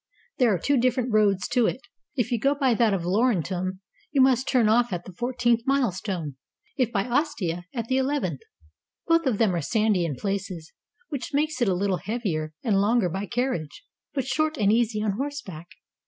There are two different roads to it; if you go by that of Lauren tum, you must turn off at the fourteenth milestone; if by Ostia, at the eleventh. Both of them are sandy in places, which makes it a Httle heavier and longer by carriage, but short and easy on horseback.